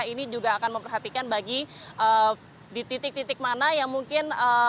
ini juga akan memperhatikan bagi di titik titik mana yang mungkin